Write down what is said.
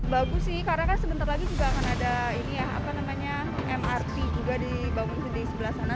bagus sih karena sebentar lagi juga akan ada mrt juga dibangun di sebelah sana